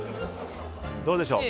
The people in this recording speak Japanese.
どうでしょう。